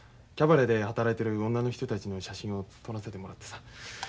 キャバレーで働いてる女の人たちの写真を撮らせてもらってさ。